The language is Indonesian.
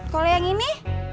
kalau yang ini